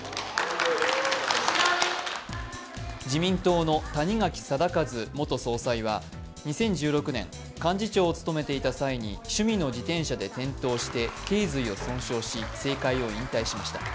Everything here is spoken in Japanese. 自民党の谷垣禎一元総裁は２０１６年、幹事長を務めていた際に趣味の自転車で転倒しけい髄を損傷し、政界を引退しました。